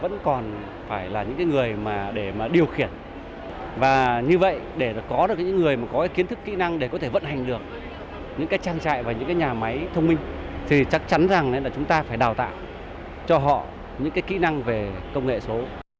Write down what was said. vẫn còn phải là những người để điều khiển và như vậy để có được những người có kiến thức kỹ năng để có thể vận hành được những trang trại và những nhà máy thông minh thì chắc chắn rằng chúng ta phải đào tạo cho họ những kỹ năng về công nghệ số